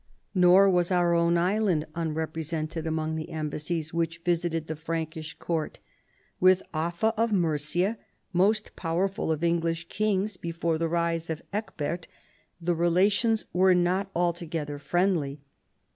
Nor was our oAvn island unrepresented among the embassies which visited the Prankish Court. With Offa of Mercia, most powerful of English kings be fore the rise of Ecgbert, the relations were not alto gether friendly.